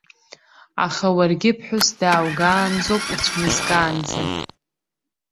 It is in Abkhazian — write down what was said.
Аха уаргьы ԥҳәыс дааугаанӡоуп, уцәмызкаанӡа!